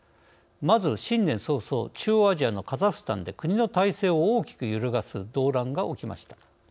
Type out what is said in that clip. まず新年早々中央アジアのカザフスタンで国の体制を大きく揺るがす動乱が起きました。